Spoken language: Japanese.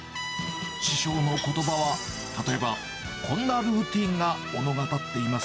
師匠のことばは例えばこんなルーティーンが物語っています。